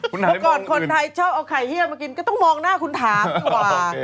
เมื่อก่อนคนไทยชอบเอาไข่เฮียมากินก็ต้องมองหน้าคุณถามดีกว่า